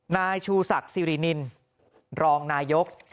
นายชูศักดิ์สิรินินรองนายก